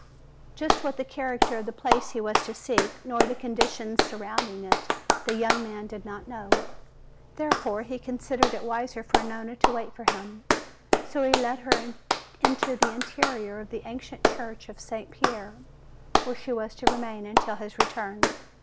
Just what the character of the place he was to seek, nor the conditions surrounding it, the young man did not know. Therefore, he considered it wiser for Nona to wait for him. So he led her into the interior of the ancient Church of St. Pierre, where she was to remain until his return.